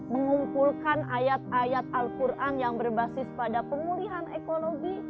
mengumpulkan ayat ayat al quran yang berbasis pada pemulihan ekonomi